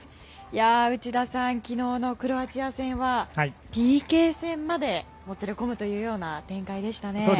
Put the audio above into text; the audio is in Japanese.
内田さん、昨日のクロアチア戦はＰＫ戦までもつれ込むというような展開でしたね。